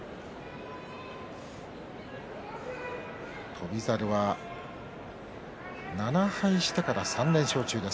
翔猿は７敗してから３連勝中です。